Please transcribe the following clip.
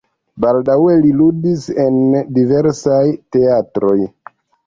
Baldaŭe li ludis en diversaj teatroj.